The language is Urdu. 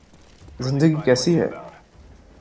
زندگی کیسی ہے